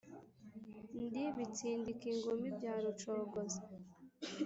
Ndi Bitsindika inkumi bya Rucogoza,